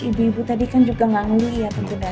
ibu ibu tadi kan juga gak ngeliat